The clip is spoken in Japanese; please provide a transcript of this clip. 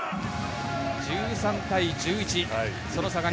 １３対１２。